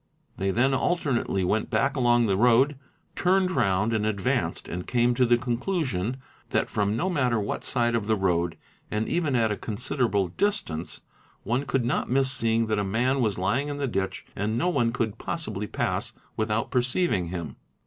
They then alternately went back along the road, turned round, and advanced, and came to the conclusion that from _ no matter what side of the road, and even at a considerable distance, one could not miss seeing that a man was lying in the ditch and no one could possibly pass without perceiving him.